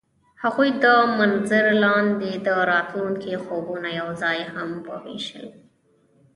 هغوی د منظر لاندې د راتلونکي خوبونه یوځای هم وویشل.